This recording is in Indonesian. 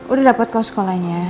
udah dapet kok sekolahnya